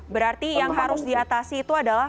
berarti yang harus diatasi itu adalah